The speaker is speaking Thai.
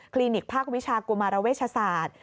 ลินิกภาควิชากุมารเวชศาสตร์